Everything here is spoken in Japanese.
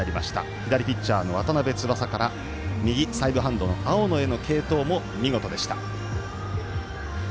左ピッチャーの渡邉翼から右サイドハンドの青野への継投も見事でした。